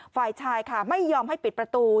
ฝ่ายชายค่ะไม่ยอมให้ปิดประตู